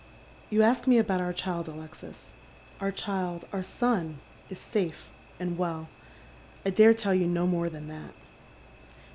You ask me about our child, Alexis. Our child, oiu* son, is lafe and well. I dare tell you no more iJian that.